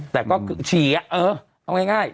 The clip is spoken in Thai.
แต่ก็เฉียเออเอาง่าย